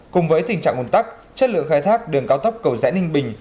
cùng với tình trạng ủn tắc chất lượng khai thác đường cao tốc cầu dãi ninh bình